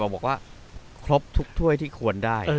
บอกว่าครบทุกถ้วยที่ควรได้